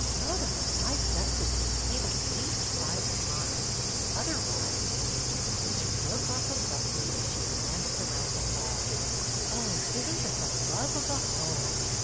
"Mother, I've dusted this table at least five times, otherwise —" She broke off abruptly as she glanced around the hall. "Oh, isn't this a love of a home